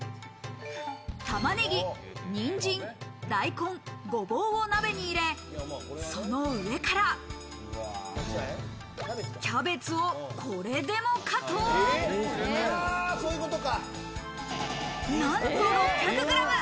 玉ねぎ、にんじん、大根、ごぼうを鍋に入れ、その上からキャベツをこれでもかと、なんと６００ｇ。